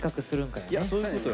いやそういうことよ。